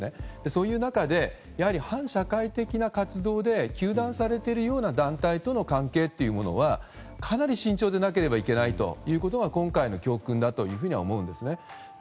そういう中で反社会的な活動で糾弾されているような団体との関係というのはかなり慎重でなければいけないということが今回の教訓だと思います。